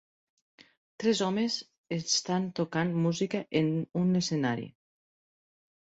Tres homes estan tocant música en un escenari.